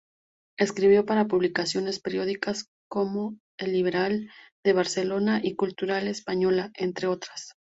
Escribió para publicaciones periódicas como "El Liberal" de Barcelona y "Cultura Española", entre otras.